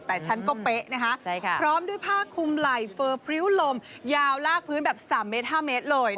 แต่ฉันก็เป๊ะนะคะพร้อมด้วยผ้าคุมไหล่เฟอร์พริ้วลมยาวลากพื้นแบบ๓เมตร๕เมตรเลย